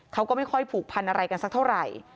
เขาก็ไม่ค่อยผูกพันอะไรกันสักเท่าไหร่